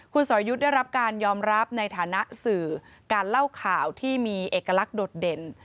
คุณสอยุทธ์ได้รับการยอมรับในฐานะสื่อการเล่าข่าวที่มีเอกลักษณ์โดดเด่น